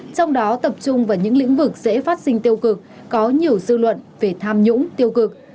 trong đó tập trung vào những lĩnh vực dễ phát sinh tiêu cực có nhiều dư luận về tham nhũng tiêu cực